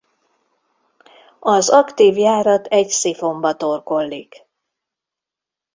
Az aktív járat egy szifonba torkollik.